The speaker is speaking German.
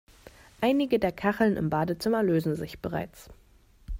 Einige der Kacheln im Badezimmer lösen sich bereits.